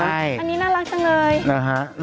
อันนี้น่ารักจังเลยนะฮะ